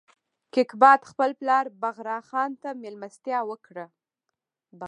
کیقباد خپل پلار بغرا خان ته مېلمستیا وکړه.